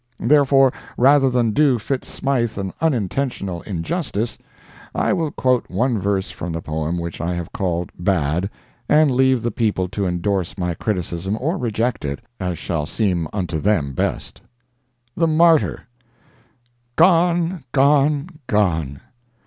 Therefore, rather than do Fitz Smythe an unintentional injustice, I will quote one verse from the poem which I have called "bad," and leave the people to endorse my criticism or reject it, as shall seem unto them best: THE MARTYR Gone! gone! gone!